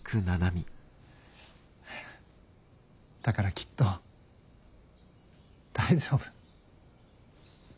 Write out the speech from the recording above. だからきっと大丈夫。